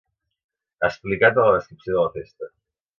Explicat a la descripció de la festa.